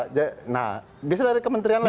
nah biasanya dari kementerian lain